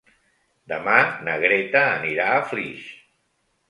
Demà na Greta anirà a Flix.